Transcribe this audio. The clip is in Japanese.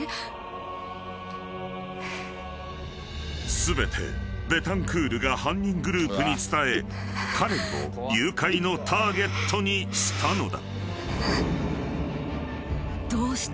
［全てベタンクールが犯人グループに伝えカレンを誘拐のターゲットにしたのだ］